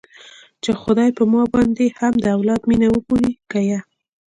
چې خداى به په ما باندې هم د اولاد مينه وګوري که يه.